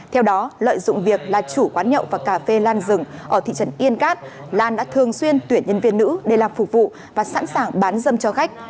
theo đó lợi dụng việc là chủ quán nhậu và cà phê lan rừng ở thị trấn yên cát lan đã thường xuyên tuyển nhân viên nữ để làm phục vụ và sẵn sàng bán dâm cho khách